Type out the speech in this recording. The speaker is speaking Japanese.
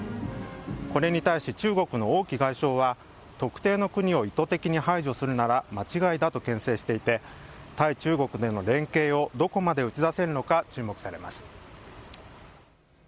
これに対し中国の王毅外相は、特定の国を意図的に排除するなら間違いだとけん制していて、対中国での連携をどこまで打ち出せるのかが注目されます。